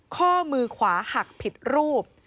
ข้อมือขวาหักผิดรูป